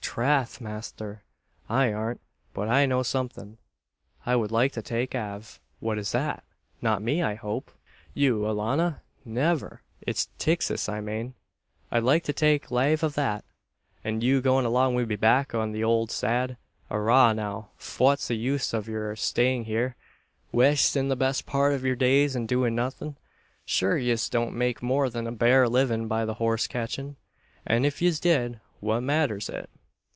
"Trath, masther, I aren't; but I know somethin' I wud like to take lave av." "What is that? Not me, I hope?" "You, alannah? Niver! It's Tixas I mane. I'd like to take lave of that; an you goin' along wid me back to the owld sad. Arrah, now, fhwat's the use av yer stayin' here, wastin' the best part av yer days in doin' nothin'? Shure yez don't make more than a bare livin' by the horse catchin'; an if yez did, what mathers it?